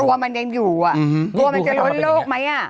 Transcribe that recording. ตัวมันยังอยู่อ่ะตัวมันจะล้นโลกไหมอ่ะ